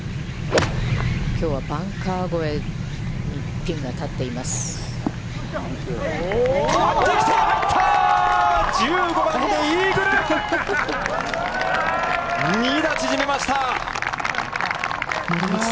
きょうはバンカー越えにピンが立っています。